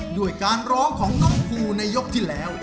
ด้วยการร้องของน้องภูในยกที่แล้ว